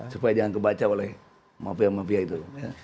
supaya jangan kebaca oleh mafia mafia itu